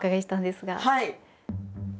はい。